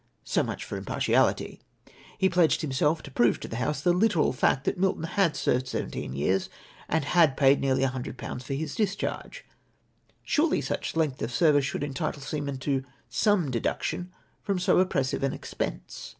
So much for impartiality I He pledged himself to prove to the House the literal fact that INIilton lead served seventeen years, and ha/1 jja'td nearly 100/. for his discharge. Surely such length of service should entitle seamen to some deduction from so oppressive an expense